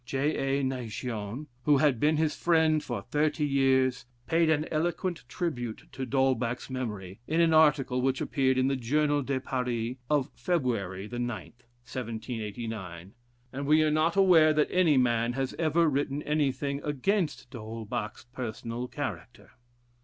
J. A. Naigeon, who had been his friend for thirty years; paid an eloquent tribute to D'Holbach's memory, in an article which appeared in the "Journal de Paris" of February the 9th, 1789, and we are not aware that any man has ever written anything against D'Hol bach's personal character.